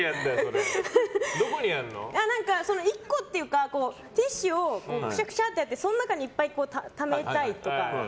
１個というかティッシュをくしゃくしゃとやってその中にいっぱいためたいというか。